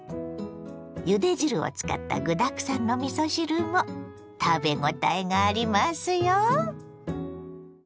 ゆで汁を使った具だくさんのみそ汁も食べごたえがありますよ。